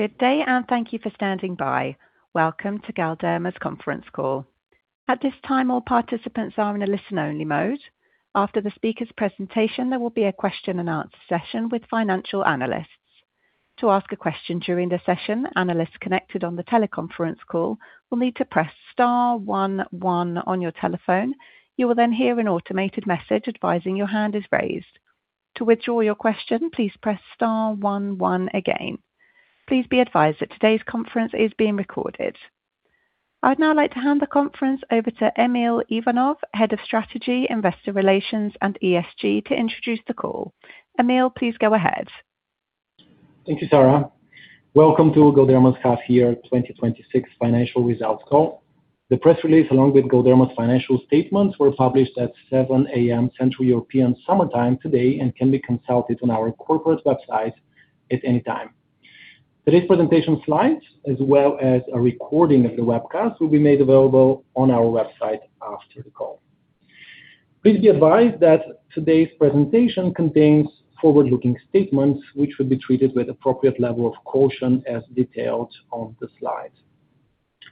Good day. Thank you for standing by. Welcome to Galderma's conference call. At this time, all participants are in a listen-only mode. After the speaker's presentation, there will be a question-and-answer session with financial analysts. To ask a question during the session, analysts connected on the teleconference call will need to press star one one on your telephone. You will hear an automated message advising your hand is raised. To withdraw your question, please press star one one again. Please be advised that today's conference is being recorded. I'd now like to hand the conference over to Emil Ivanov, Head of Strategy, Investor Relations, and ESG, to introduce the call. Emil, please go ahead. Thank you, Sarah. Welcome to Galderma's half year 2026 financial results call. The press release, along with Galderma's financial statements, were published at 7:00 A.M. Central European Summer Time today and can be consulted on our corporate website at any time. Today's presentation slides, as well as a recording of the webcast, will be made available on our website after the call. Please be advised that today's presentation contains forward-looking statements which will be treated with appropriate level of caution, as detailed on the slides.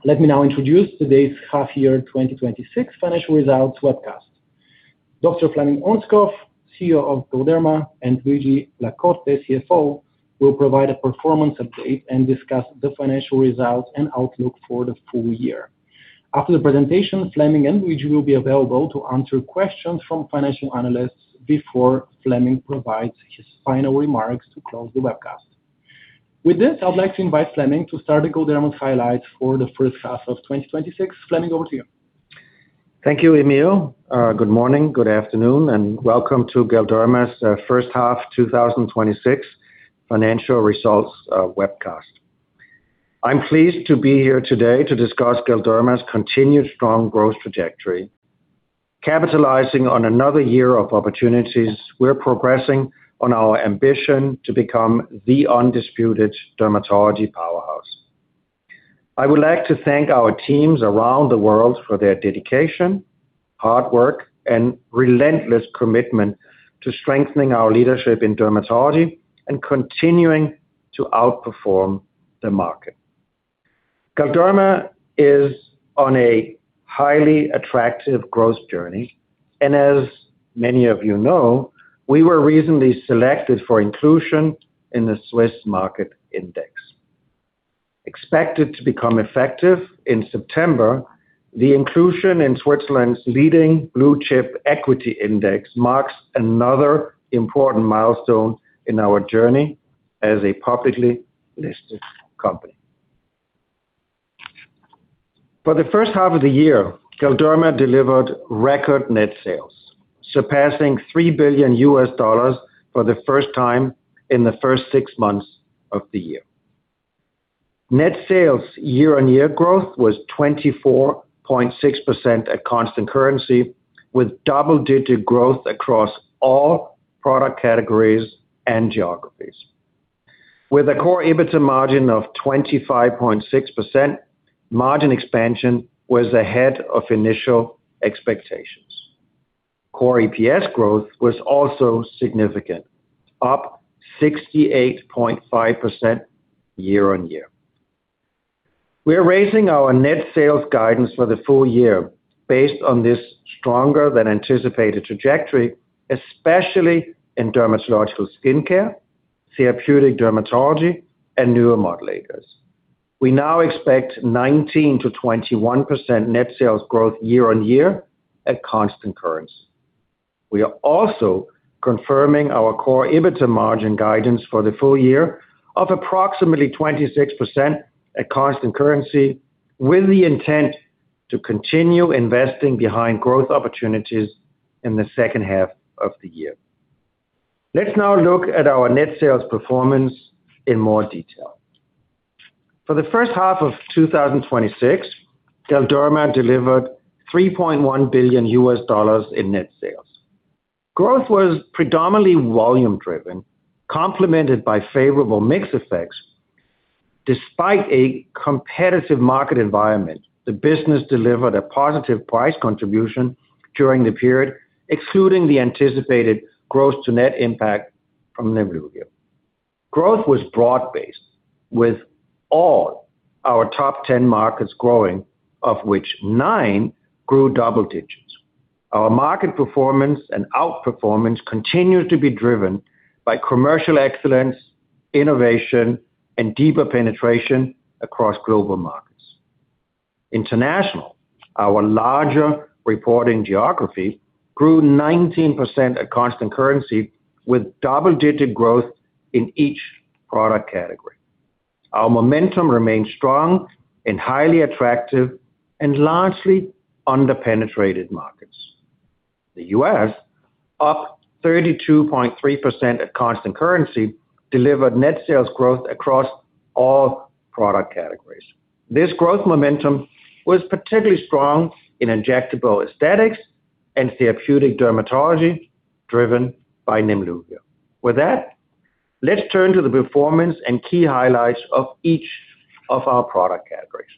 Let me now introduce today's half year 2026 financial results webcast. Dr. Flemming Ørnskov, CEO of Galderma, and Luigi La Corte, CFO, will provide a performance update and discuss the financial results and outlook for the full year. After the presentation, Flemming and Luigi will be available to answer questions from financial analysts before Flemming provides his final remarks to close the webcast. With this, I'd like to invite Flemming to start the Galderma highlights for the first half of 2026. Flemming, over to you. Thank you, Emil. Good morning, good afternoon. Welcome to Galderma's first half 2026 financial results webcast. I'm pleased to be here today to discuss Galderma's continued strong growth trajectory. Capitalizing on another year of opportunities, we're progressing on our ambition to become the undisputed dermatology powerhouse. I would like to thank our teams around the world for their dedication, hard work, and relentless commitment to strengthening our leadership in dermatology and continuing to outperform the market. Galderma is on a highly attractive growth journey. As many of you know, we were recently selected for inclusion in the Swiss Market Index. Expected to become effective in September, the inclusion in Switzerland's leading blue-chip equity index marks another important milestone in our journey as a publicly listed company. For the first half of the year, Galderma delivered record net sales, surpassing $3 billion for the first time in the first six months of the year. Net sales year-on-year growth was 24.6% at constant currency, with double-digit growth across all product categories and geographies. With a core EBITDA margin of 25.6%, margin expansion was ahead of initial expectations. Core EPS growth was also significant, up 68.5% year-on-year. We are raising our net sales guidance for the full year based on this stronger than anticipated trajectory, especially in Dermatological Skincare, Therapeutic Dermatology, and Neuromodulators. We now expect 19%-21% net sales growth year-on-year at constant currency. We are also confirming our core EBITDA margin guidance for the full year of approximately 26% at constant currency, with the intent to continue investing behind growth opportunities in the second half of the year. Let's now look at our net sales performance in more detail. For the first half of 2026, Galderma delivered $3.1 billion in net sales. Growth was predominantly volume driven, complemented by favorable mix effects. Despite a competitive market environment, the business delivered a positive price contribution during the period, excluding the anticipated gross to net impact from Nemluvio. Growth was broad-based, with all our top 10 markets growing, of which nine grew double digits. Our market performance and outperformance continued to be driven by commercial excellence, innovation, and deeper penetration across global markets. International, our larger reporting geography, grew 19% at constant currency with double-digit growth in each product category. Our momentum remains strong in highly attractive and largely under-penetrated markets. The U.S., up 32.3% at constant currency, delivered net sales growth across all product categories. This growth momentum was particularly strong in Injectable Aesthetics and Therapeutic Dermatology driven by Nemluvio. With that, let's turn to the performance and key highlights of each of our product categories.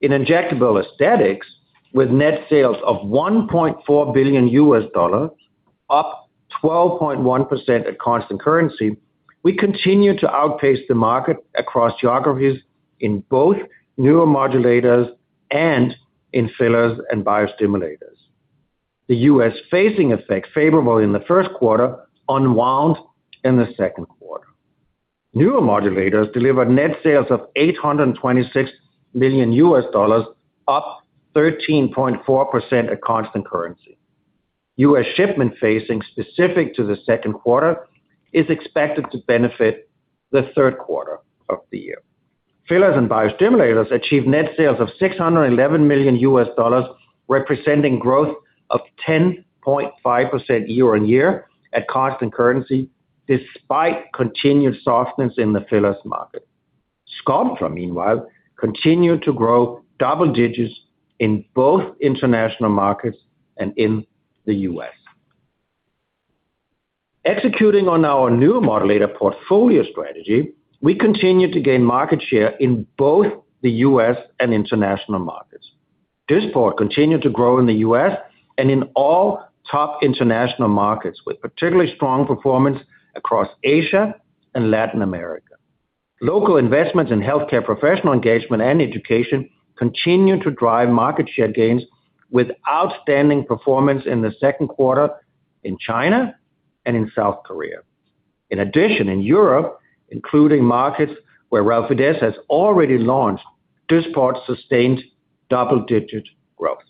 In Injectable Aesthetics, with net sales of $1.4 billion, up 12.1% at constant currency, we continue to outpace the market across geographies in both Neuromodulators and in Fillers and Biostimulators. The U.S. phasing effect favorable in the first quarter unwound in the second quarter. Neuromodulators delivered net sales of $826 million, up 13.4% at constant currency. U.S. shipment phasing specific to the second quarter is expected to benefit the third quarter of the year. Fillers and Biostimulators achieved net sales of $611 million, representing growth of 10.5% year-on-year at constant currency despite continued softness in the fillers market. Sculptra, meanwhile, continued to grow double digits in both international markets and in the U.S. Executing on our neuromodulator portfolio strategy, we continue to gain market share in both the U.S. and international markets. Dysport continued to grow in the U.S. and in all top international markets, with particularly strong performance across Asia and Latin America. Local investments in healthcare professional engagement and education continue to drive market share gains with outstanding performance in the second quarter in China and in South Korea. In addition, in Europe, including markets where Relfydess has already launched, Dysport sustained double-digit growth.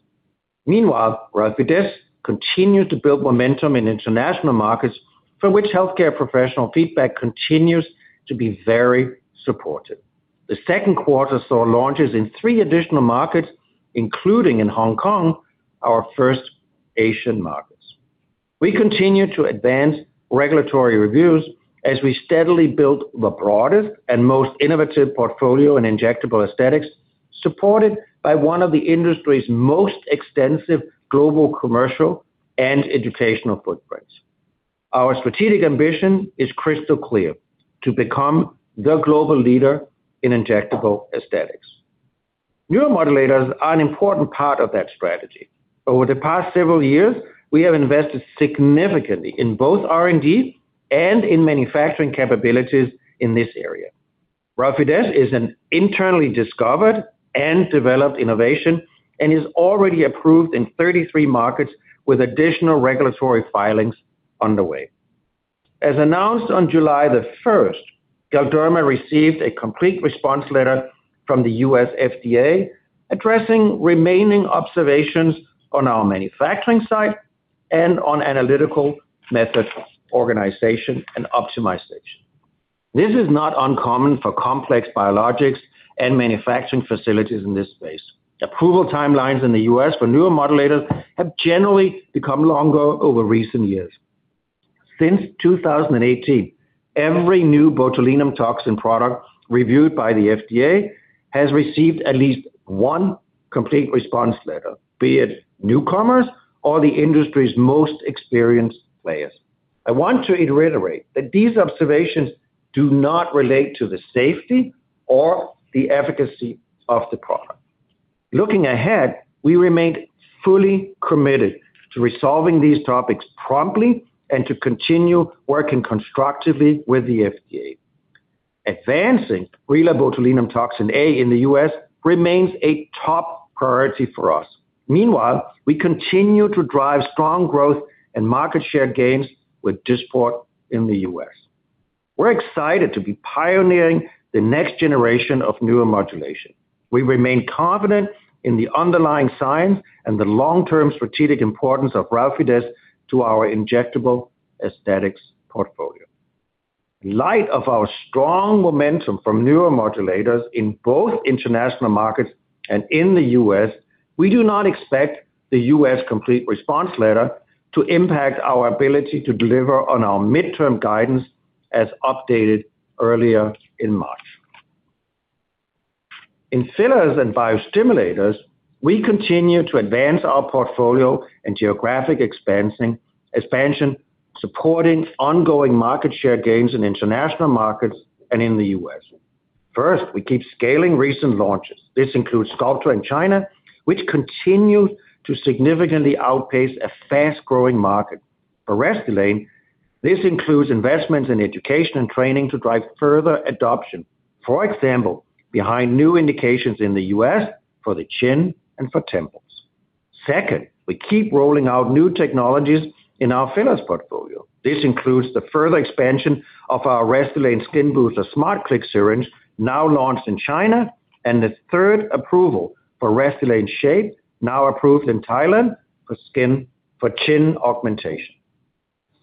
Meanwhile, Relfydess continued to build momentum in international markets for which healthcare professional feedback continues to be very supportive. The second quarter saw launches in three additional markets, including in Hong Kong, our first Asian markets. We continue to advance regulatory reviews as we steadily build the broadest and most innovative portfolio in Injectable Aesthetics, supported by one of the industry's most extensive global commercial and educational footprints. Our strategic ambition is crystal clear, to become the global leader in Injectable Aesthetics. Neuromodulators are an important part of that strategy. Over the past several years, we have invested significantly in both R&D and in manufacturing capabilities in this area. Relfydess is an internally discovered and developed innovation and is already approved in 33 markets with additional regulatory filings on the way. As announced on July 1st, Galderma received a Complete Response Letter from the U.S. FDA addressing remaining observations on our manufacturing site and on analytical method organization and optimization. This is not uncommon for complex biologics and manufacturing facilities in this space. Approval timelines in the U.S. for neuromodulators have generally become longer over recent years. Since 2018, every new botulinum toxin product reviewed by the FDA has received at least one Complete Response Letter, be it newcomers or the industry's most experienced players. I want to reiterate that these observations do not relate to the safety or the efficacy of the product. Looking ahead, we remain fully committed to resolving these topics promptly and to continue working constructively with the FDA. Advancing RelabotulinumtoxinA in the U.S. remains a top priority for us. Meanwhile, we continue to drive strong growth and market share gains with Dysport in the U.S. We're excited to be pioneering the next generation of neuromodulation. We remain confident in the underlying science and the long-term strategic importance of Relfydess to our Injectable Aesthetics portfolio. In light of our strong momentum from Neuromodulators in both international markets and in the U.S., we do not expect the U.S. Complete Response Letter to impact our ability to deliver on our midterm guidance as updated earlier in March. In Fillers and Biostimulators, we continue to advance our portfolio and geographic expansion, supporting ongoing market share gains in international markets and in the U.S. First, we keep scaling recent launches. This includes Sculptra in China, which continued to significantly outpace a fast-growing market. For Restylane, this includes investments in education and training to drive further adoption. For example, behind new indications in the U.S. for the chin and for temples. Second, we keep rolling out new technologies in our fillers portfolio. This includes the further expansion of our Restylane Skinboosters SmartClick syringe, now launched in China, and the third approval for Restylane SHAYPE, now approved in Thailand for chin augmentation.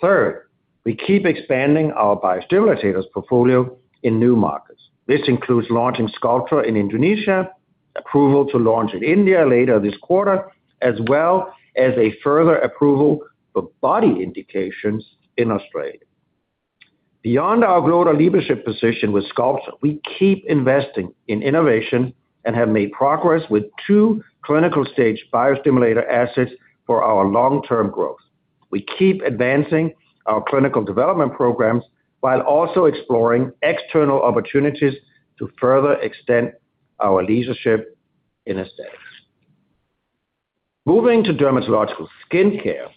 Third, we keep expanding our biostimulators portfolio in new markets. This includes launching Sculptra in Indonesia, approval to launch in India later this quarter, as well as a further approval for body indications in Australia. Beyond our global leadership position with Sculptra, we keep investing in innovation and have made progress with two clinical-stage biostimulator assets for our long-term growth. We keep advancing our clinical development programs while also exploring external opportunities to further extend our leadership in aesthetics. Moving to Dermatological Skincare,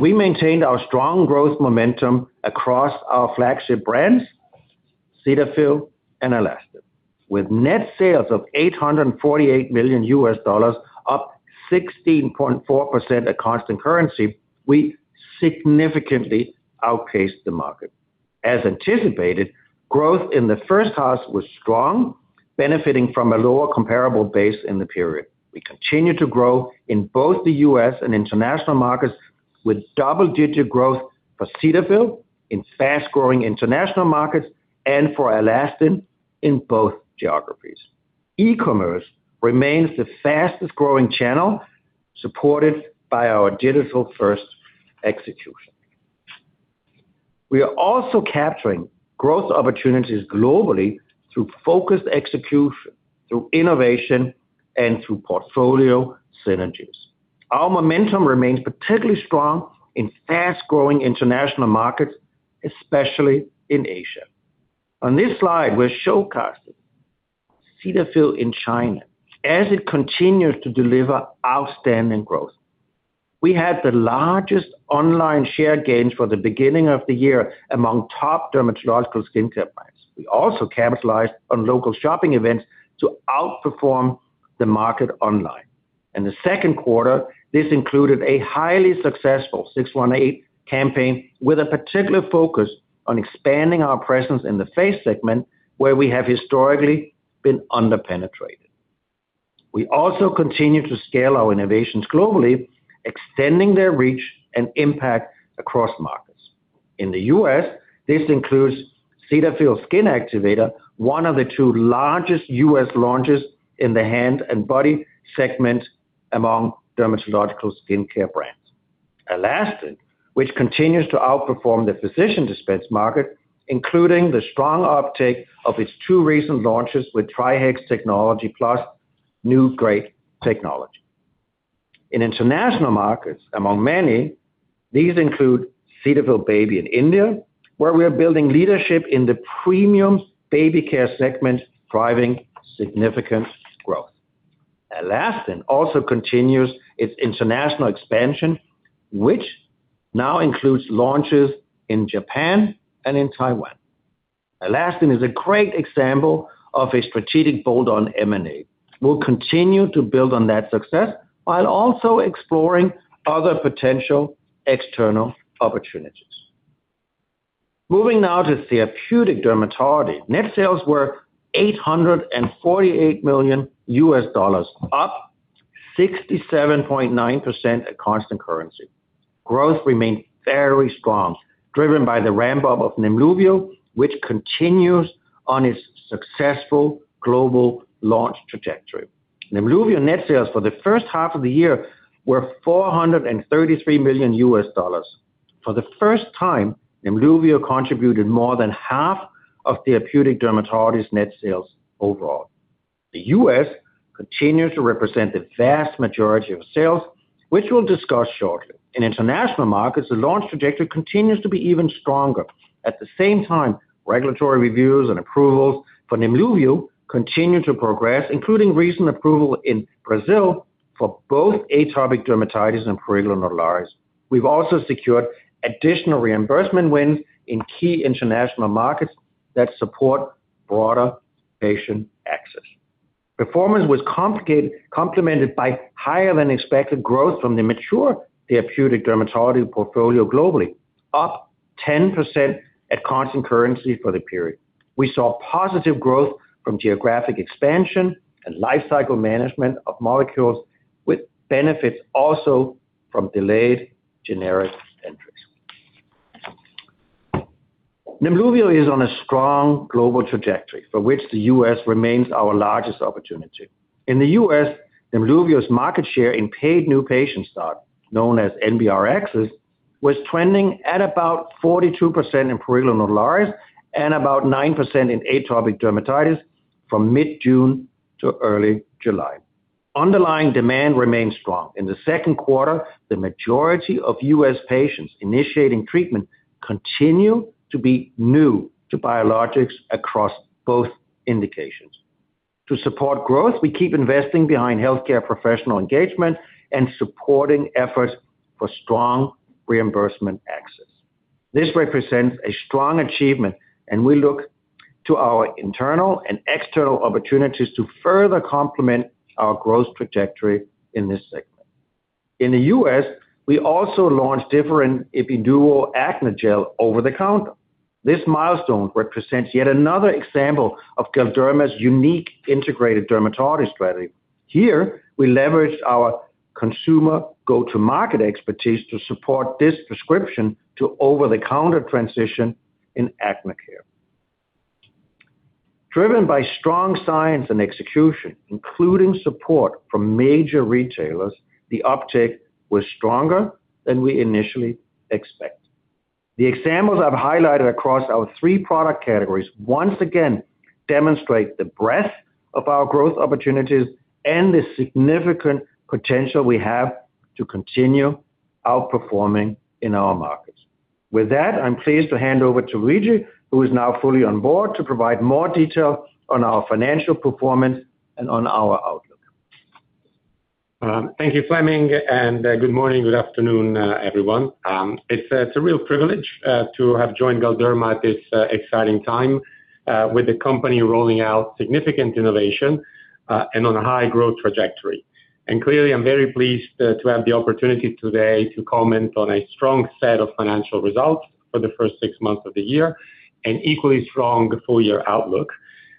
we maintained our strong growth momentum across our flagship brands, Cetaphil and ALASTIN. With net sales of $848 million, up 16.4% at constant currency, we significantly outpaced the market. As anticipated, growth in the first half was strong, benefiting from a lower comparable base in the period. We continue to grow in both the U.S. and international markets, with double-digit growth for Cetaphil in fast-growing international markets and for ALASTIN in both geographies. E-commerce remains the fastest-growing channel, supported by our digital-first execution. We are also capturing growth opportunities globally through focused execution, through innovation, and through portfolio synergies. Our momentum remains particularly strong in fast-growing international markets, especially in Asia. On this slide, we're showcasing Cetaphil in China as it continues to deliver outstanding growth. We had the largest online share gains for the beginning of the year among top Dermatological Skincare brands. We also capitalized on local shopping events to outperform the market online. In the second quarter, this included a highly successful 618 campaign with a particular focus on expanding our presence in the face segment, where we have historically been under-penetrated. We also continue to scale our innovations globally, extending their reach and impact across markets. In the U.S., this includes Cetaphil Skin Activator, one of the two largest U.S. launches in the hand and body segment among Dermatological Skincare brands. ALASTIN, which continues to outperform the physician dispense market, including the strong uptake of its two recent launches with TriHex Technology+ new great technology. In international markets, among many, these include Cetaphil Baby in India, where we are building leadership in the premium baby care segment, driving significant growth. ALASTIN also continues its international expansion, which now includes launches in Japan and in Taiwan. ALASTIN is a great example of a strategic bolt-on M&A. We'll continue to build on that success while also exploring other potential external opportunities. Moving now to Therapeutic Dermatology. Net sales were $848 million, up 67.9% at constant currency. Growth remained very strong, driven by the ramp-up of Nemluvio, which continues on its successful global launch trajectory. Nemluvio net sales for the first half of the year were $433 million. For the first time, Nemluvio contributed more than half of Therapeutic Dermatology's net sales overall. The U.S. continues to represent the vast majority of sales, which we'll discuss shortly. In international markets, the launch trajectory continues to be even stronger. At the same time, regulatory reviews and approvals for Nemluvio continue to progress, including recent approval in Brazil for both atopic dermatitis and prurigo nodularis. We've also secured additional reimbursement wins in key international markets that support broader patient access. Performance was complemented by higher-than-expected growth from the mature Therapeutic Dermatology portfolio globally, up 10% at constant currency for the period. We saw positive growth from geographic expansion and life cycle management of molecules, with benefits also from delayed generic entries. Nemluvio is on a strong global trajectory, for which the U.S. remains our largest opportunity. In the U.S., Nemluvio's market share in paid new patient start, known as NBRx, was trending at about 42% in prurigo nodularis and about 9% in atopic dermatitis from mid-June to early July. Underlying demand remains strong. In the second quarter, the majority of U.S. patients initiating treatment continue to be new to biologics across both indications. To support growth, we keep investing behind healthcare professional engagement and supporting efforts for strong reimbursement access. This represents a strong achievement, and we look to our internal and external opportunities to further complement our growth trajectory in this segment. In the U.S., we also launched Differin Epiduo Acne Gel over the counter. This milestone represents yet another example of Galderma's unique integrated dermatology strategy. Here, we leveraged our consumer go-to-market expertise to support this prescription-to-over-the-counter transition in acne care. Driven by strong science and execution, including support from major retailers, the uptake was stronger than we initially expected. The examples I've highlighted across our three product categories once again demonstrate the breadth of our growth opportunities and the significant potential we have to continue outperforming in our markets. With that, I'm pleased to hand over to Luigi, who is now fully on board to provide more detail on our financial performance and on our outlook. Thank you, Flemming, and good morning, good afternoon, everyone. It's a real privilege to have joined Galderma at this exciting time with the company rolling out significant innovation and on a high growth trajectory. Clearly, I'm very pleased to have the opportunity today to comment on a strong set of financial results for the first six months of the year and equally strong full year outlook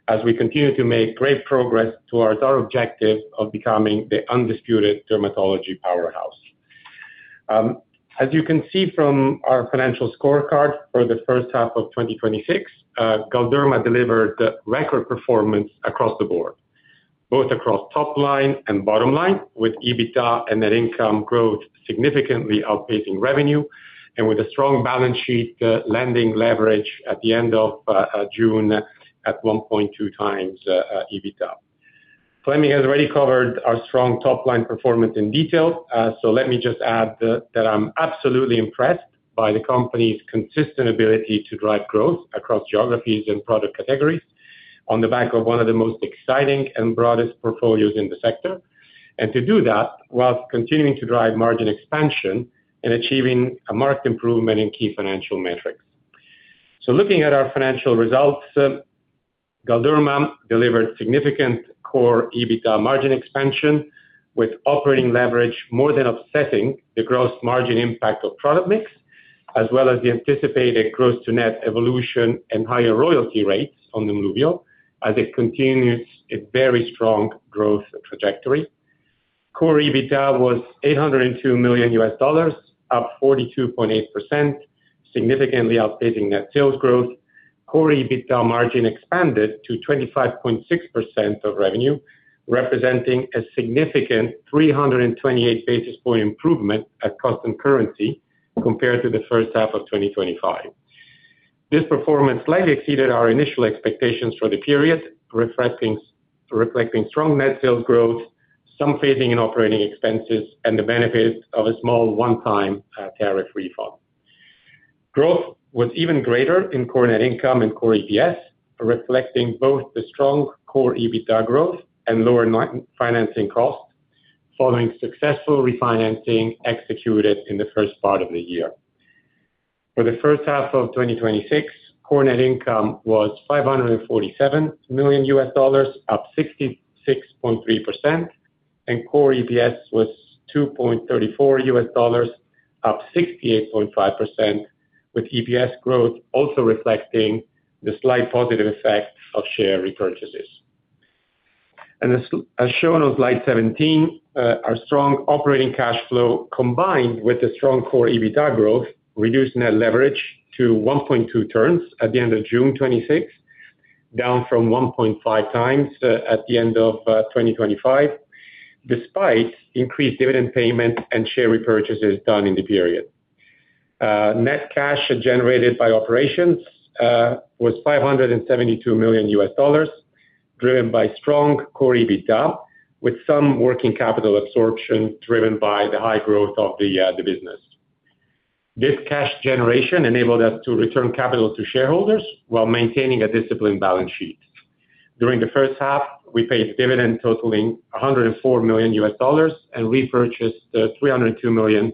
as we continue to make great progress towards our objective of becoming the undisputed dermatology powerhouse. As you can see from our financial scorecard for the first half of 2026, Galderma delivered a record performance across the board, both across top line and bottom line, with EBITDA and net income growth significantly outpacing revenue and with a strong balance sheet lending leverage at the end of June at 1.2x EBITDA. Flemming has already covered our strong top-line performance in detail. Let me just add that I'm absolutely impressed by the company's consistent ability to drive growth across geographies and product categories on the back of one of the most exciting and broadest portfolios in the sector. And to do that whilst continuing to drive margin expansion and achieving a marked improvement in key financial metrics. Looking at our financial results, Galderma delivered significant core EBITDA margin expansion with operating leverage more than offsetting the gross margin impact of product mix, as well as the anticipated gross to net evolution and higher royalty rates on Nemluvio as it continues its very strong growth trajectory. Core EBITDA was $802 million, up 42.8%, significantly outpacing net sales growth. Core EBITDA margin expanded to 25.6% of revenue, representing a significant 328 basis point improvement at constant currency compared to the first half of 2025. This performance slightly exceeded our initial expectations for the period, reflecting strong net sales growth, some phasing in operating expenses, and the benefits of a small one-time tariff refund. Growth was even greater in core net income and core EPS, reflecting both the strong core EBITDA growth and lower financing costs following successful refinancing executed in the first part of the year. For the first half of 2026, core net income was $547 million, up 66.3%, and core EPS was $2.34, up 68.5%, with EPS growth also reflecting the slight positive effect of share repurchases. As shown on slide 17, our strong operating cash flow, combined with the strong core EBITDA growth, reduced net leverage to 1.2x at the end of June 2026, down from 1.5x at the end of 2025, despite increased dividend payments and share repurchases done in the period. Net cash generated by operations was $572 million, driven by strong core EBITDA, with some working capital absorption driven by the high growth of the business. This cash generation enabled us to return capital to shareholders while maintaining a disciplined balance sheet. During the first half, we paid dividend totaling $104 million and repurchased $302 million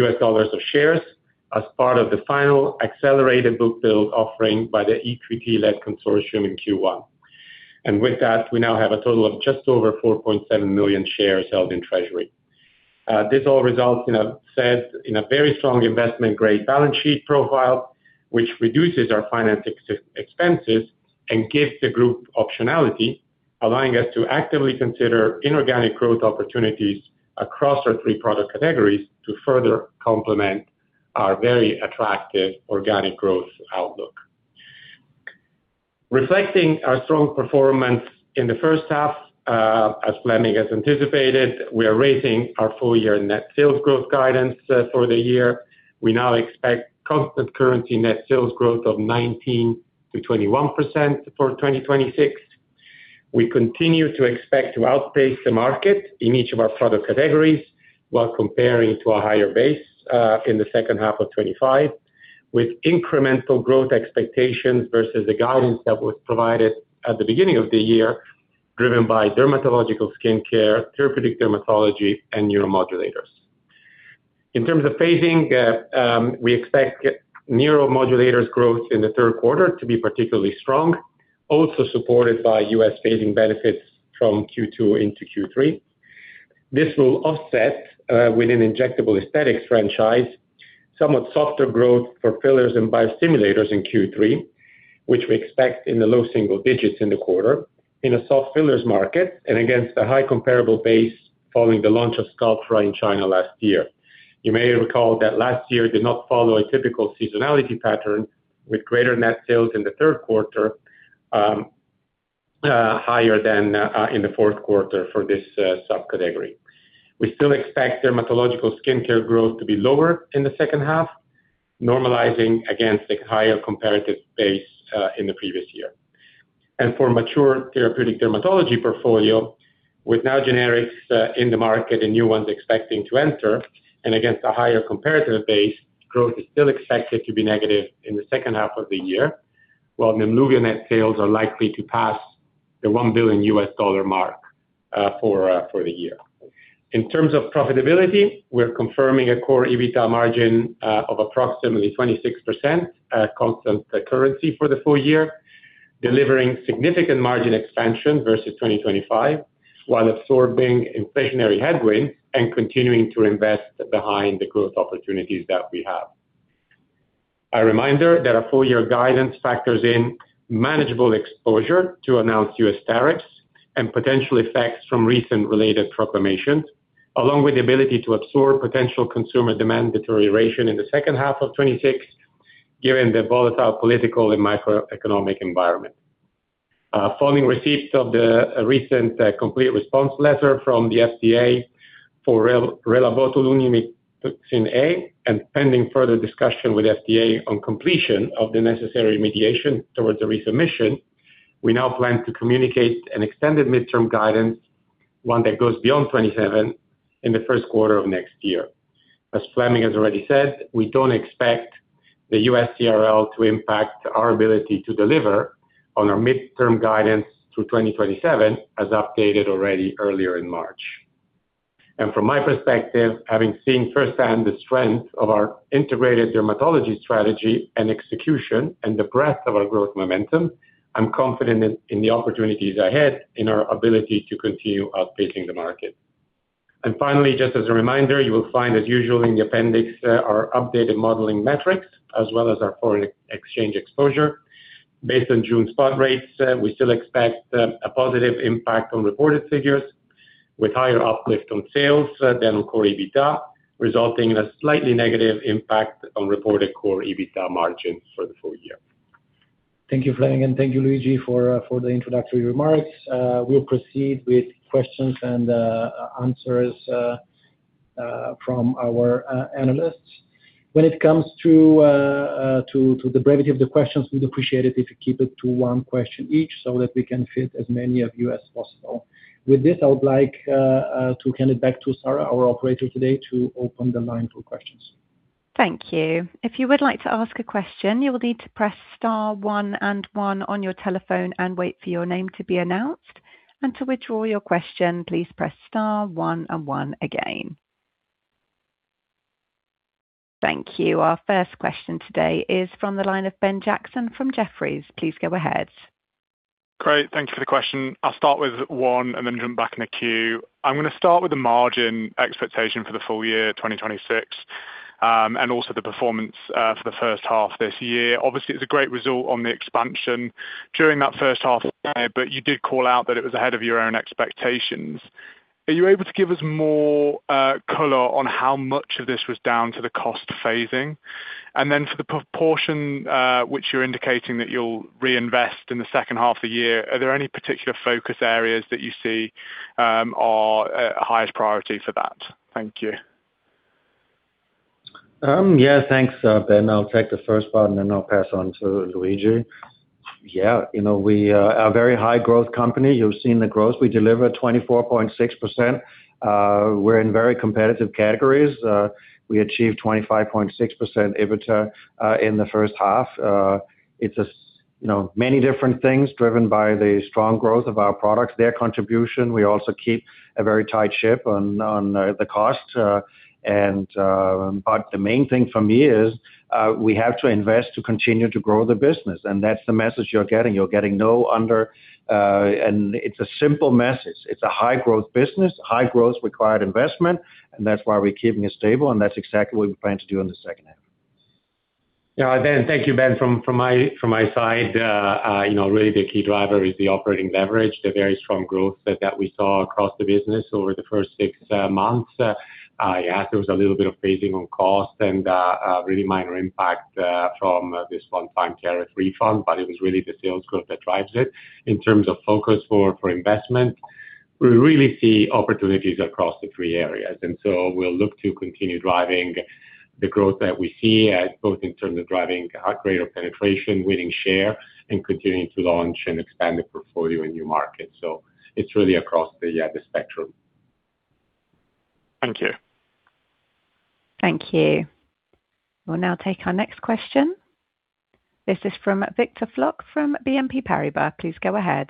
of shares as part of the final accelerated book build offering by the EQT-led consortium in Q1. With that, we now have a total of just over 4.7 million shares held in treasury. This all results in a very strong investment-grade balance sheet profile, which reduces our finance expenses and gives the group optionality, allowing us to actively consider inorganic growth opportunities across our three product categories to further complement our very attractive organic growth outlook. Reflecting our strong performance in the first half, as Flemming has anticipated, we are raising our full-year net sales growth guidance for the year. We now expect constant currency net sales growth of 19%-21% for 2026. We continue to expect to outpace the market in each of our product categories while comparing to a higher base in the second half of 2025 with incremental growth expectations versus the guidance that was provided at the beginning of the year, driven by Dermatological Skincare, Therapeutic Dermatology, and Neuromodulators. In terms of phasing, we expect neuromodulators growth in the third quarter to be particularly strong, also supported by U.S. phasing benefits from Q2 into Q3. This will offset with an Injectable Aesthetics franchise, somewhat softer growth for Fillers and Biostimulators in Q3, which we expect in the low single digits in the quarter in a soft fillers market and against a high comparable base following the launch of Sculptra in China last year. You may recall that last year did not follow a typical seasonality pattern with greater net sales in the third quarter. Higher than in the fourth quarter for this subcategory. We still expect Dermatological Skincare growth to be lower in the second half, normalizing against the higher comparative base in the previous year. For mature therapeutic dermatology portfolio, with now generics in the market and new ones expecting to enter, and against a higher comparative base, growth is still expected to be negative in the second half of the year. While Nemluvio net sales are likely to pass the $1 billion mark for the year. In terms of profitability, we're confirming a core EBITDA margin of approximately 26% constant currency for the full year, delivering significant margin expansion versus 2025, while absorbing inflationary headwinds and continuing to invest behind the growth opportunities that we have. A reminder that our full year guidance factors in manageable exposure to announced U.S. tariffs and potential effects from recent related proclamations, along with the ability to absorb potential consumer demand deterioration in the second half of 2026, given the volatile political and macroeconomic environment. Following receipt of the recent complete response letter from the FDA for RelabotulinumtoxinA, pending further discussion with FDA on completion of the necessary mediation towards a resubmission, we now plan to communicate an extended midterm guidance, one that goes beyond 2027, in the first quarter of next year. As Flemming has already said, we don't expect the U.S. CRL to impact our ability to deliver on our midterm guidance through 2027, as updated already earlier in March. From my perspective, having seen firsthand the strength of our integrated dermatology strategy and execution, the breadth of our growth momentum, I'm confident in the opportunities ahead in our ability to continue outpacing the market. Finally, just as a reminder, you will find as usual in the appendix, our updated modeling metrics as well as our foreign exchange exposure. Based on June spot rates, we still expect a positive impact on reported figures with higher uplift on sales than core EBITDA, resulting in a slightly negative impact on reported core EBITDA margins for the full year. Thank you, Flemming, and thank you, Luigi, for the introductory remarks. We'll proceed with questions and answers from our analysts. When it comes to the brevity of the questions, we'd appreciate it if you keep it to one question each so that we can fit as many of you as possible. With this, I would like to hand it back to Sarah, our operator today, to open the line to questions. Thank you. If you would like to ask a question, you will need to press star one and one on your telephone and wait for your name to be announced. To withdraw your question, please press star one and one again. Thank you. Our first question today is from the line of Ben Jackson from Jefferies. Please go ahead. Great. Thank you for the question. I'll start with one and then jump back in the queue. I'm going to start with the margin expectation for the full year 2026, and also the performance for the first half this year. Obviously, it's a great result on the expansion during that first half, but you did call out that it was ahead of your own expectations. Are you able to give us more color on how much of this was down to the cost phasing? Then for the proportion which you're indicating that you'll reinvest in the second half of the year, are there any particular focus areas that you see are highest priority for that? Thank you. Thanks, Ben. I'll take the first part and then I'll pass on to Luigi. We are a very high growth company. You've seen the growth. We deliver 24.6%. We're in very competitive categories. We achieved 25.6% EBITDA in the first half. It's many different things driven by the strong growth of our products, their contribution. We also keep a very tight ship on the cost. The main thing for me is we have to invest to continue to grow the business, and that's the message you're getting. It's a simple message. It's a high growth business, high growth required investment, and that's why we're keeping it stable, and that's exactly what we plan to do in the second half. Thank you, Ben. From my side, really the key driver is the operating leverage, the very strong growth that we saw across the business over the first six months. There was a little bit of phasing on cost and a really minor impact from this one-time tariff refund, but it was really the sales growth that drives it. In terms of focus for investment, we really see opportunities across the three areas. We'll look to continue driving the growth that we see as both in terms of driving greater penetration, winning share, and continuing to launch and expand the portfolio in new markets. It's really across the spectrum. Thank you. Thank you. We will now take our next question. This is from Victor Floc'h from BNP Paribas. Please go ahead.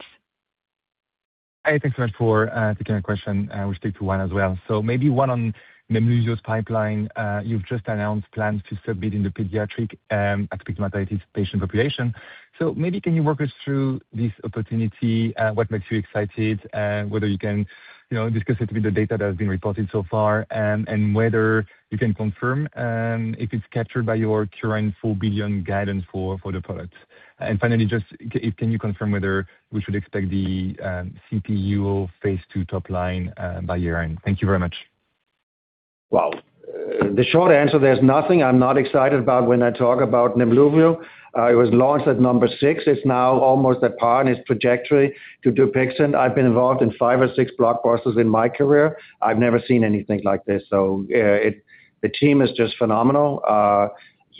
Hi, thanks so much for taking the question. We will stick to one as well. Maybe one on the Nemluvio's pipeline. You have just announced plans to submit in the pediatric atopic dermatitis patient population. Maybe can you walk us through this opportunity, what makes you excited, whether you can discuss it with the data that has been reported so far, and whether you can confirm if it is captured by your current full $1 billion guidance for the product. Finally, just can you confirm whether we should expect the CPUO phase II top line by year-end? Thank you very much. Well, the short answer, there is nothing I am not excited about when I talk about Nemluvio. It was launched at number six. It is now almost at par in its trajectory to DUPIXENT. I have been involved in five or six blockbusters in my career. I have never seen anything like this. The team is just phenomenal.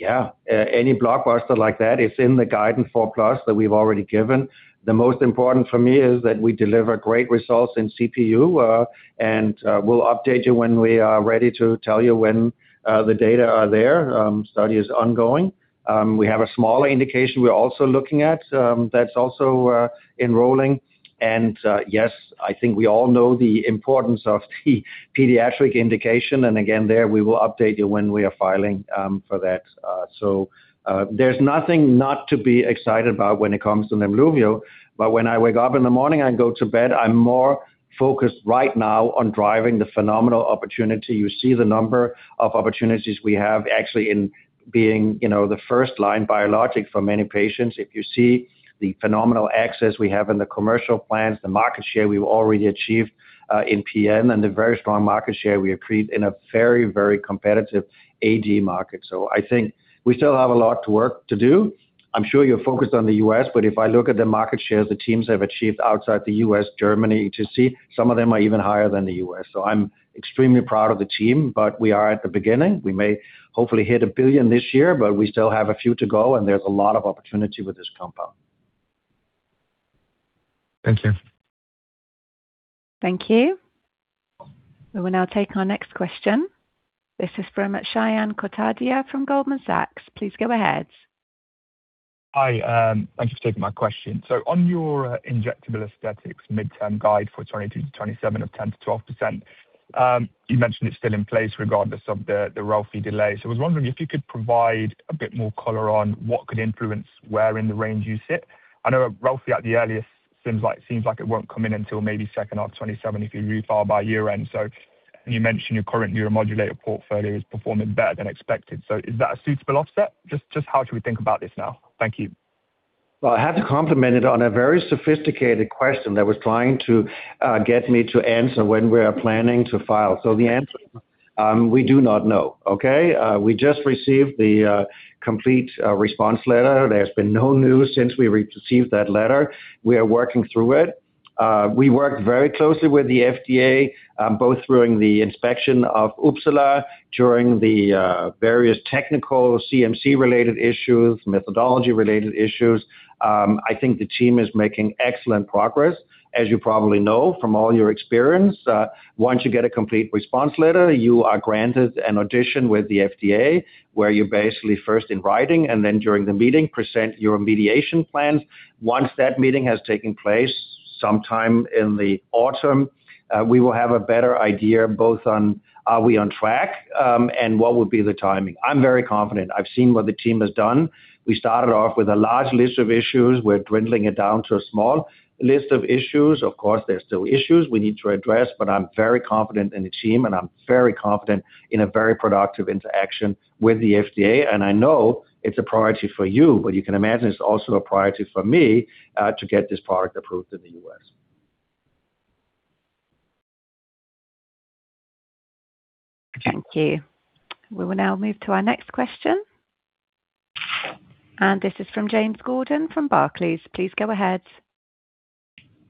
Any blockbuster like that, it is in the guidance for plus that we have already given. The most important for me is that we deliver great results in CPUO, and we will update you when we are ready to tell you when the data are there. Study is ongoing. We have a smaller indication we are also looking at, that is also enrolling. Yes, I think we all know the importance of the pediatric indication, and again, there, we will update you when we are filing for that. There is nothing not to be excited about when it comes to Nemluvio. When I wake up in the morning and go to bed, I am more focused right now on driving the phenomenal opportunity. You see the number of opportunities we have actually in being the first line biologic for many patients. If you see the phenomenal access we have in the commercial plans, the market share we have already achieved in PN, and the very strong market share we accrued in a very, very competitive AD market. I think we still have a lot to work to do. I am sure you are focused on the U.S., but if I look at the market share the teams have achieved outside the U.S., Germany, you just see some of them are even higher than the U.S. I am extremely proud of the team, but we are at the beginning. We may hopefully hit $1 billion this year, but we still have a few to go and there's a lot of opportunity with this compound. Thank you. Thank you. We will now take our next question. This is from Shyam Kotadia from Goldman Sachs. Please go ahead. Hi, thanks for taking my question. On your Injectable Aesthetics midterm guide for 2027 of 10%-12%, you mentioned it's still in place regardless of the Relfydess delay. I was wondering if you could provide a bit more color on what could influence where in the range you sit. I know Relfydess at the earliest seems like it won't come in until maybe second half 2027 if you refile by year end. And you mentioned your current Neuromodulator portfolio is performing better than expected. Is that a suitable offset? Just how should we think about this now? Thank you. I have to compliment it on a very sophisticated question that was trying to get me to answer when we are planning to file. The answer, we do not know. Okay? We just received the complete response letter. There's been no news since we received that letter. We are working through it. We worked very closely with the FDA, both during the inspection of Uppsala, during the various technical CMC-related issues, methodology-related issues. I think the team is making excellent progress. As you probably know from all your experience, once you get a complete response letter, you are granted an audition with the FDA, where you basically first in writing, and then during the meeting, present your mediation plans. Once that meeting has taken place, sometime in the autumn, we will have a better idea both on are we on track, and what would be the timing. I'm very confident. I've seen what the team has done. We started off with a large list of issues. We're dwindling it down to a small list of issues. Of course, there's still issues we need to address, but I'm very confident in the team, and I'm very confident in a very productive interaction with the FDA, and I know it's a priority for you. You can imagine it's also a priority for me, to get this product approved in the U.S. Thank you. We will now move to our next question. This is from James Gordon from Barclays. Please go ahead.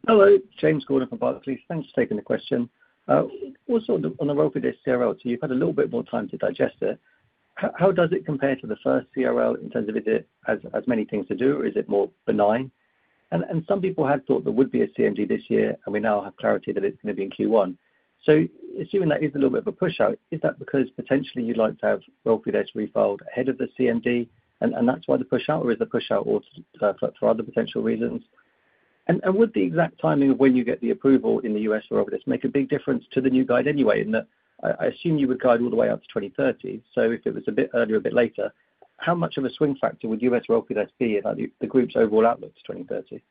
Hello. James Gordon from Barclays. Thanks for taking the question. Also on the Relfydess this CRL, you've had a little bit more time to digest it. How does it compare to the first CRL in terms of is it as many things to do, or is it more benign? Some people had thought there would be a CMD this year, and we now have clarity that it's going to be in Q1. Assuming that is a little bit of a push out, is that because potentially you'd like to have Relfydess refiled ahead of the CMD, and that's why the push out, or is the push out also for other potential reasons? Would the exact timing of when you get the approval in the U.S. for Relfydess make a big difference to the new guide anyway, in that I assume you would guide all the way up to 2030. If it was a bit earlier or a bit later, how much of a swing factor would U.S. Relfydess be in the group's overall outlook to 2030?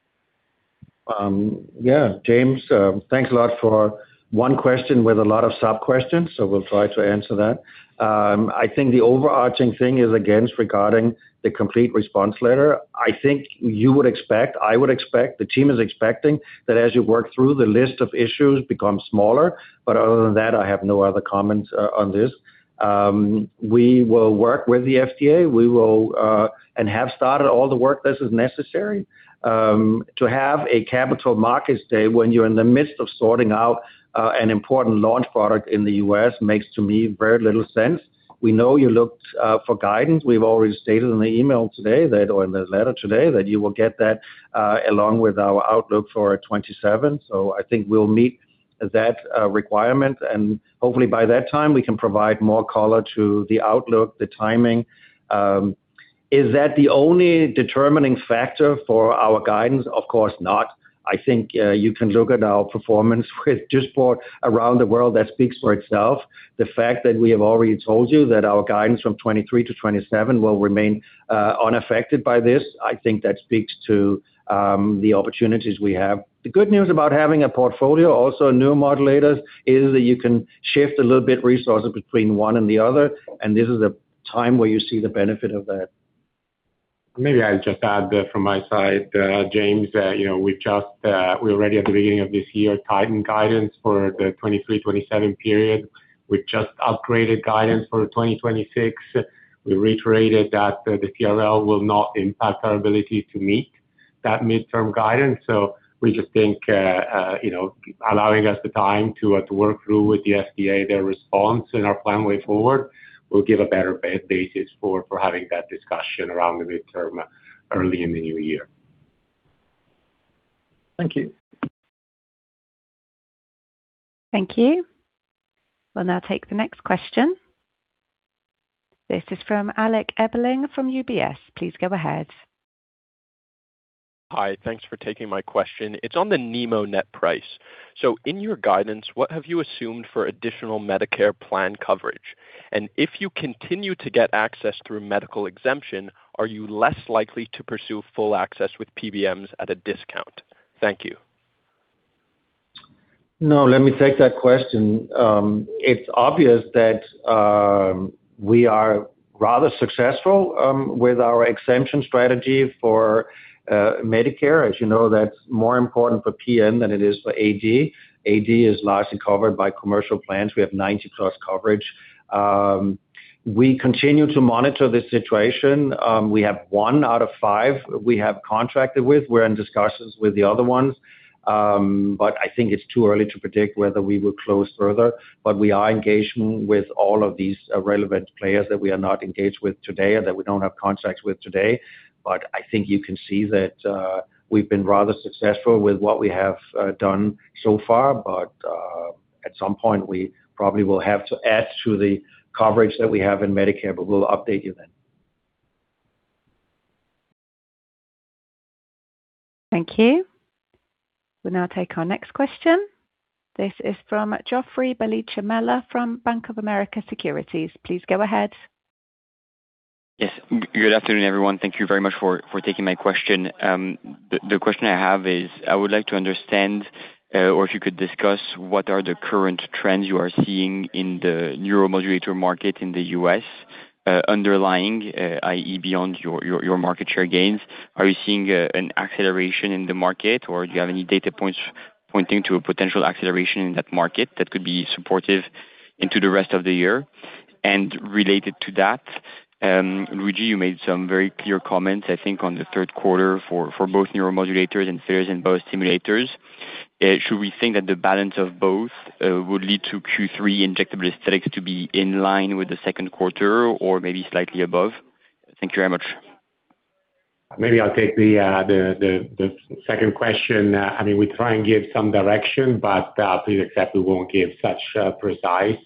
James, thanks a lot for one question with a lot of sub-questions. We'll try to answer that. I think the overarching thing is, again, regarding the Complete Response Letter. I think you would expect, I would expect, the team is expecting that as you work through the list of issues becomes smaller. Other than that, I have no other comments on this. We will work with the FDA. We will, and have started all the work that is necessary. To have a Capital Markets Day when you're in the midst of sorting out an important launch product in the U.S. makes to me very little sense. We know you looked for guidance. We've already stated in the email today that, or in the letter today, that you will get that, along with our outlook for 2027. I think we'll meet that requirement, and hopefully by that time we can provide more color to the outlook, the timing. Is that the only determining factor for our guidance? Of course not. I think you can look at our performance with just around the world that speaks for itself. The fact that we have already told you that our guidance from 2023-2027 will remain unaffected by this, I think that speaks to the opportunities we have. The good news about having a portfolio, also neuromodulators, is that you can shift a little bit resources between one and the other, and this is a time where you see the benefit of that. Maybe I'll just add from my side, James, we already at the beginning of this year tightened guidance for the 2023, 2027 period. We just upgraded guidance for 2026. We reiterated that the CRL will not impact our ability to meet that midterm guidance. We just think allowing us the time to work through with the FDA, their response and our plan way forward will give a better basis for having that discussion around the midterm early in the new year. Thank you. Thank you. We'll now take the next question. This is from Alec Ebeling from UBS. Please go ahead. Hi, thanks for taking my question. It's on the Nemluvio net price. In your guidance, what have you assumed for additional Medicare plan coverage? If you continue to get access through medical exemption, are you less likely to pursue full access with PBMs at a discount? Thank you. No, let me take that question. It's obvious that we are rather successful with our exemption strategy for Medicare. As you know, that's more important for PN than it is for AD. AD is largely covered by commercial plans. We have 90%+ coverage. We have one out of five we have contracted with. We're in discussions with the other ones. I think it's too early to predict whether we will close further, but we are engaged with all of these relevant players that we are not engaged with today or that we don't have contracts with today. I think you can see that we've been rather successful with what we have done so far. At some point, we probably will have to add to the coverage that we have in Medicare, but we'll update you then. Thank you. We'll now take our next question. This is from Joffrey Bellicha Meller from Bank of America Securities. Please go ahead. Yes. Good afternoon, everyone. Thank you very much for taking my question. The question I have is, I would like to understand, or if you could discuss what are the current trends you are seeing in the neuromodulator market in the U.S. underlying, i.e., beyond your market share gains. Are you seeing an acceleration in the market, or do you have any data points pointing to a potential acceleration in that market that could be supportive into the rest of the year? Related to that, Luigi, you made some very clear comments, I think, on the third quarter for both neuromodulators and fillers and biostimulators. Should we think that the balance of both would lead to Q3 Injectable Aesthetics to be in line with the second quarter or maybe slightly above? Thank you very much. Maybe I'll take the second question. We try and give some direction, but please accept we won't give such precise.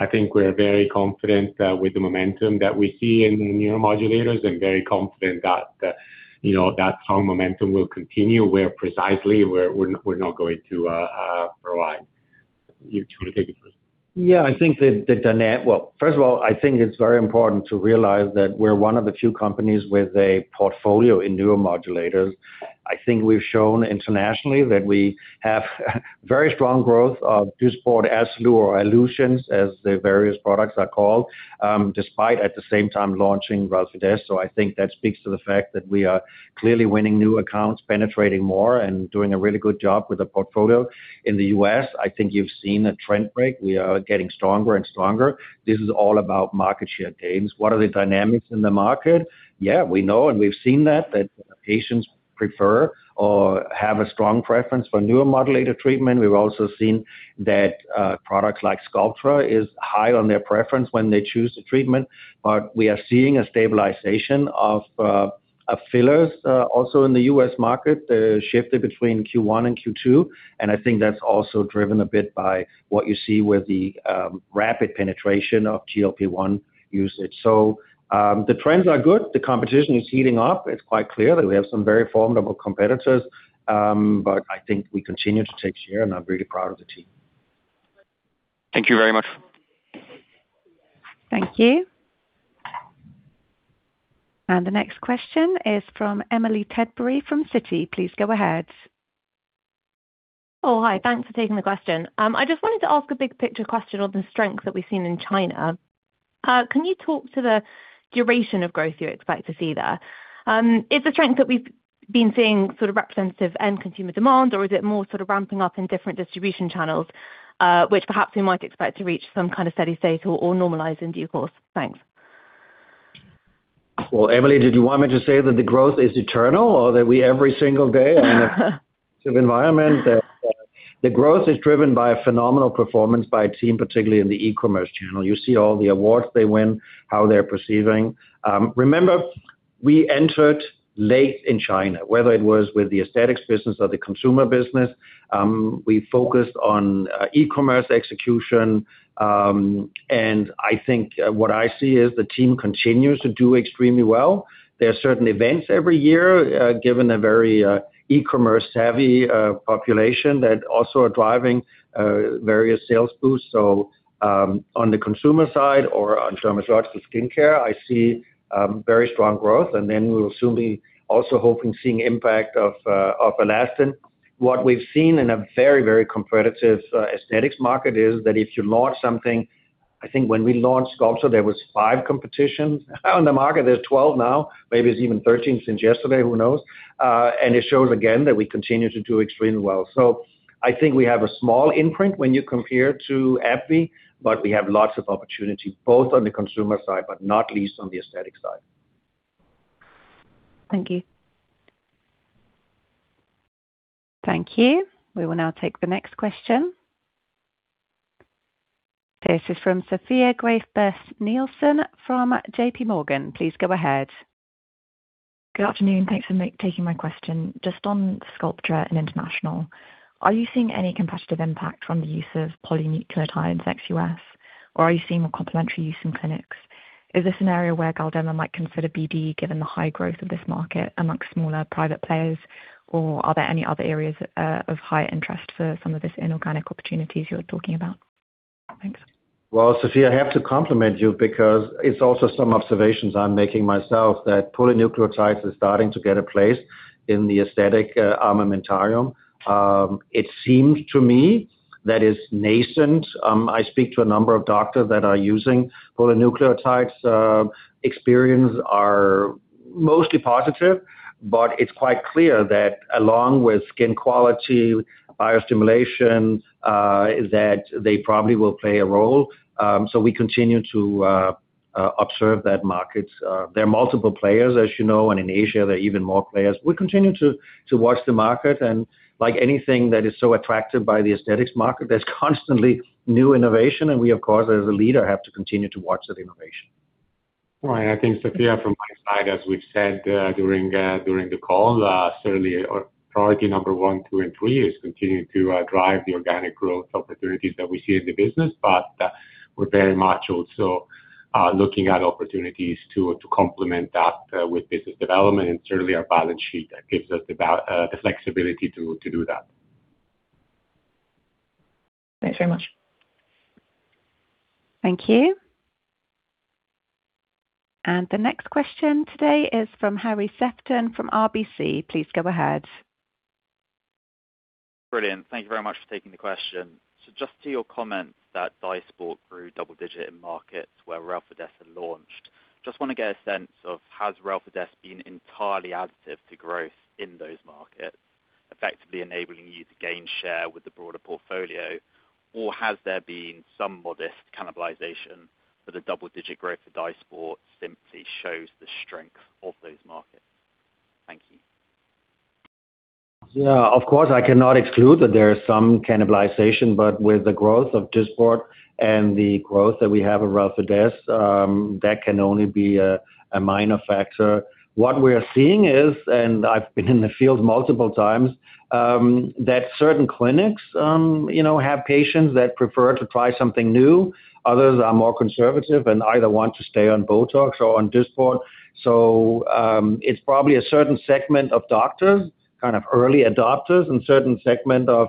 I think we're very confident with the momentum that we see in neuromodulators and very confident that's how momentum will continue, where precisely we're not going to provide. You two want to take it first? Yeah, first of all, I think it's very important to realize that we're one of the few companies with a portfolio in neuromodulators. I think we've shown internationally that we have very strong growth of Dysport, Azzalure or Alluzience, as the various products are called, despite at the same time launching Relfydess. I think that speaks to the fact that we are clearly winning new accounts, penetrating more, and doing a really good job with the portfolio. In the U.S., I think you've seen a trend break. We are getting stronger and stronger. This is all about market share gains. What are the dynamics in the market? We know, and we've seen that patients prefer or have a strong preference for neuromodulator treatment. We've also seen that products like Sculptra is high on their preference when they choose the treatment. But we are seeing a stabilization of fillers, also in the U.S. market, the shift between Q1 and Q2, and I think that's also driven a bit by what you see with the rapid penetration of GLP-1 usage. The trends are good. The competition is heating up. It's quite clear that we have some very formidable competitors. I think we continue to take share, and I'm really proud of the team. Thank you very much. Thank you. The next question is from Emily Tedbury from Citi. Please go ahead. Oh, hi. Thanks for taking the question. I just wanted to ask a big picture question on the strength that we've seen in China. Can you talk to the duration of growth you expect to see there? Is the strength that we've been seeing sort of representative end consumer demand, or is it more sort of ramping up in different distribution channels, which perhaps we might expect to reach some kind of steady state or normalize in due course? Thanks. Well, Emily, did you want me to say that the growth is eternal or that we every single day on a competitive environment that the growth is driven by a phenomenal performance by a team, particularly in the e-commerce channel. You see all the awards they win, how they're performing. Remember, we entered late in China, whether it was with the aesthetics business or the consumer business. We focused on e-commerce execution, and I think what I see is the team continues to do extremely well. There are certain events every year, given a very e-commerce-heavy population that also are driving various sales boosts. On the consumer side or on Dermatological Skincare, I see very strong growth, and then we'll soon be also hoping seeing impact of ALASTIN. What we've seen in a very competitive aesthetics market is that if you launch something I think when we launched Sculptra, there was five competitions on the market. There's 12 now, maybe it's even 13 since yesterday, who knows? It shows again that we continue to do extremely well. I think we have a small imprint when you compare to AbbVie, but we have lots of opportunities both on the consumer side, but not least on the aesthetic side. Thank you. Thank you. We will now take the next question. This is from Sophia Graeff Buhl-Nielsen from JPMorgan. Please go ahead. Good afternoon. Thanks for taking my question. Just on Sculptra and international, are you seeing any competitive impact from the use of polynucleotides ex-U.S., or are you seeing more complementary use in clinics? Is this an area where Galderma might consider BD, given the high growth of this market amongst smaller private players? Are there any other areas of high interest for some of this inorganic opportunities you are talking about? Thanks. Well, Sophia, I have to compliment you because it's also some observations I'm making myself, that polynucleotides is starting to get a place in the aesthetic armamentarium. It seems to me that is nascent. I speak to a number of doctors that are using polynucleotides. Experience are mostly positive, but it's quite clear that along with skin quality, biostimulation, that they probably will play a role. We continue to observe that market. There are multiple players, as you know, and in Asia, there are even more players. We continue to watch the market and like anything that is so attractive by the aesthetics market, there's constantly new innovation and we of course, as a leader, have to continue to watch that innovation. I think Sophia, from my side, as we've said during the call, certainly our priority number one, two, and three is continuing to drive the organic growth opportunities that we see in the business. We're very much also looking at opportunities to complement that with business development, and certainly our balance sheet that gives us the flexibility to do that. Thanks very much. Thank you. The next question today is from [Harry Sefton] from RBC. Please go ahead. Brilliant. Thank you very much for taking the question. Just to your comment that Dysport grew double-digit in markets where Relfydess had launched. I just want to get a sense of has Relfydess been entirely additive to growth in those markets, effectively enabling you to gain share with the broader portfolio, or has there been some modest cannibalization for the double-digit growth for Dysport simply shows the strength of those markets? Thank you. Of course, I cannot exclude that there is some cannibalization, but with the growth of Dysport and the growth that we have of Relfydess, that can only be a minor factor. What we are seeing is, and I've been in the field multiple times, that certain clinics have patients that prefer to try something new. Others are more conservative and either want to stay on Botox or on Dysport. It's probably a certain segment of doctors, kind of early adopters, and certain segment of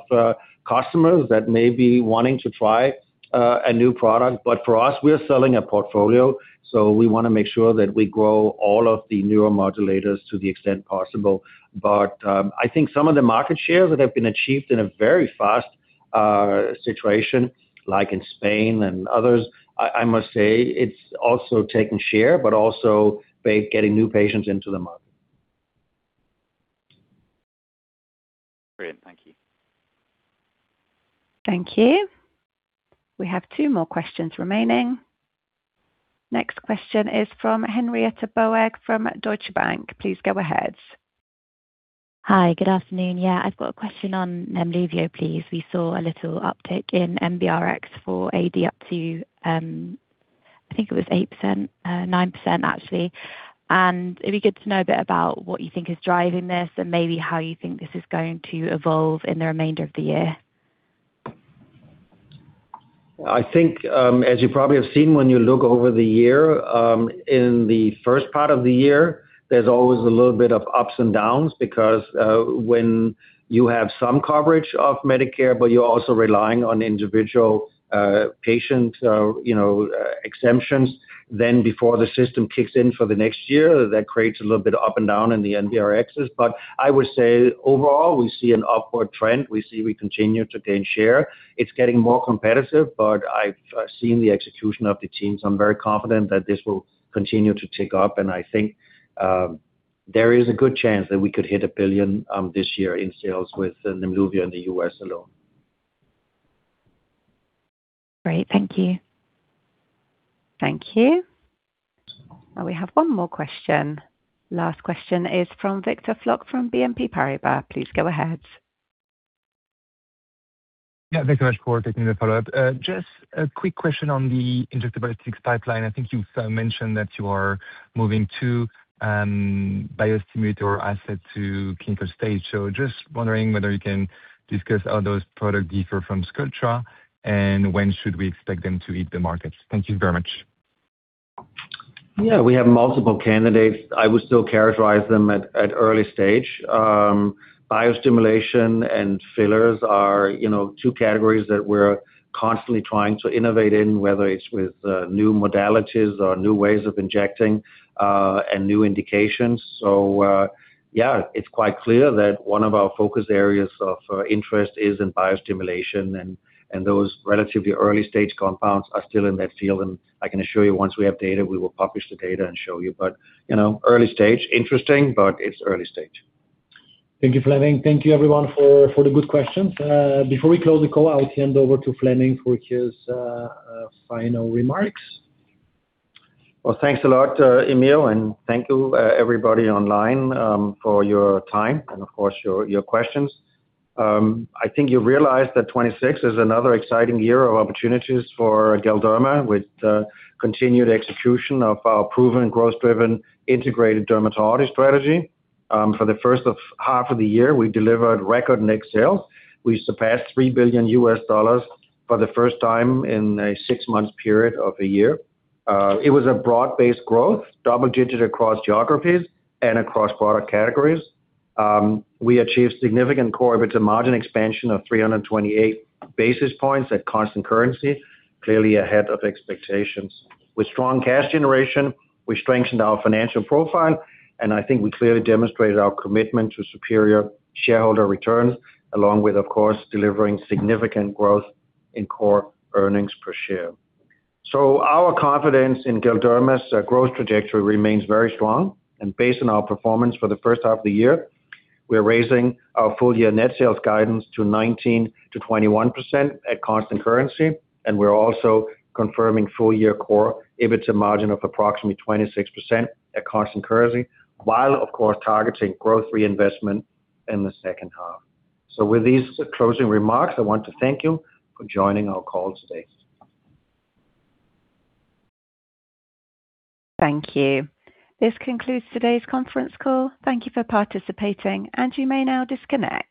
customers that may be wanting to try a new product. For us, we are selling a portfolio, so we want to make sure that we grow all of the neuromodulators to the extent possible. I think some of the market shares that have been achieved in a very fast situation, like in Spain and others, I must say it's also taking share, but also getting new patients into the market. Great. Thank you. Thank you. We have two more questions remaining. Next question is from [Henrietta Boag] from Deutsche Bank. Please go ahead. Hi. Good afternoon. I've got a question on Nemluvio, please. We saw a little uptick in NBRx for AD up to, I think it was 8%, 9% actually. It'd be good to know a bit about what you think is driving this and maybe how you think this is going to evolve in the remainder of the year. I think, as you probably have seen when you look over the year, in the first part of the year, there's always a little bit of ups and downs because when you have some coverage of Medicare, you're also relying on individual patient exemptions. Then before the system kicks in for the next year, that creates a little bit of up and down in the NBRxs. I would say overall, we see an upward trend. We continue to gain share. It's getting more competitive, I've seen the execution of the teams. I'm very confident that this will continue to tick up, and I think there is a good chance that we could hit $1 billion this year in sales with Nemluvio in the U.S. alone. Great. Thank you. Thank you. We have one more question. Last question is from Victor Floc'h from BNP Paribas. Please go ahead. Thanks so much for taking the follow-up. Just a quick question on the Injectable. [inaudible] I think you mentioned that you are moving two biostimulator assets to clinical stage. Just wondering whether you can discuss how those products differ from Sculptra and when should we expect them to hit the market. Thank you very much. Yeah, we have multiple candidates. I would still characterize them at early stage. Biostimulation and fillers are two categories that we're constantly trying to innovate in, whether it's with new modalities or new ways of injecting, and new indications. Yeah, it's quite clear that one of our focus areas of interest is in biostimulation, and those relatively early stage compounds are still in that field, and I can assure you once we have data, we will publish the data and show you. Early stage, interesting, but it's early stage. Thank you, Flemming. Thank you everyone for the good questions. Before we close the call, I'll hand over to Flemming for his final remarks. Thanks a lot, Emil, thank you everybody online for your time and of course, your questions. I think you realize that 2026 is another exciting year of opportunities for Galderma, with continued execution of our proven growth-driven integrated dermatology strategy. For the first half of the year, we delivered record net sales. We surpassed $3 billion for the first time in a six-month period of the year. It was a broad-based growth, double-digit across geographies and across product categories. We achieved significant core EBITDA margin expansion of 328 basis points at constant currency, clearly ahead of expectations. With strong cash generation, we strengthened our financial profile, I think we clearly demonstrated our commitment to superior shareholder returns, along with, of course, delivering significant growth in core earnings per share. Our confidence in Galderma's growth trajectory remains very strong, and based on our performance for the first half of the year, we're raising our full-year net sales guidance to 19%-21% at constant currency. We're also confirming full-year core EBITDA margin of approximately 26% at constant currency, while of course targeting growth reinvestment in the second half. With these closing remarks, I want to thank you for joining our call today. Thank you. This concludes today's conference call. Thank you for participating, and you may now disconnect.